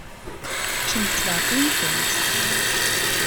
Ččemt s leɛqel-nkent.